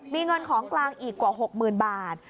มีเงินของกลางอีกกว่า๖๐๐๐บาท